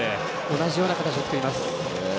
同じような形を作ります。